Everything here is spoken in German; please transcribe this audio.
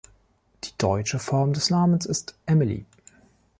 Die deutsche Form des Namens ist Emilie.